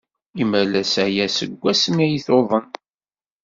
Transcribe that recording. Imalas aya seg wasmi ay tuḍen.